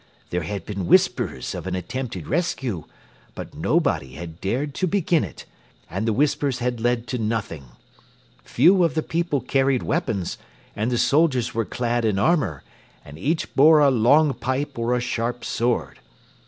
There had been whispers of an attempted rescue, but nobody had dared to begin it, and the whispers had led to nothing. Few of the people carried weapons, and the soldiers were clad in armour, and each bore a long pike or a sharp sword.